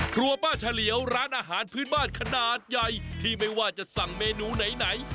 ครัวป้าเฉลียวร้านอาหารพื้นบ้านขนาดใหญ่ที่ไม่ว่าจะสั่งเมนูไหน